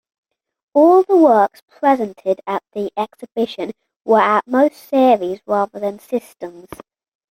All the works presented at the exhibition were at most series rather than systems.